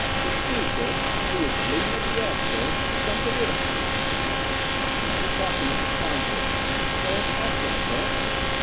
It's true, sir. 'E was bleeding at the 'ead, sir. Something 'it 'im." "Let me talk to Mrs. Farnsworth." "They are at the 'ospital, sir."